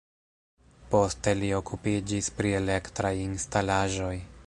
Poste li okupiĝis pri elektraj instalaĵoj.